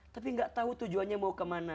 tapi gak tau tujuannya mau kemana